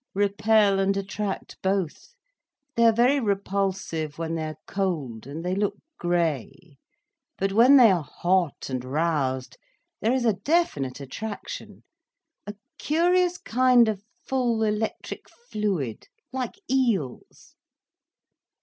"Repel and attract, both. They are very repulsive when they are cold, and they look grey. But when they are hot and roused, there is a definite attraction—a curious kind of full electric fluid—like eels."